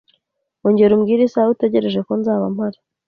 Ongera umbwire isaha utegereje ko nzaba mpari.